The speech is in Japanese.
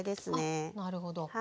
あなるほど。